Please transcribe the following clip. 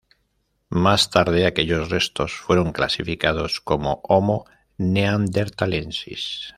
Más tarde aquellos restos fueron clasificados como Homo neanderthalensis.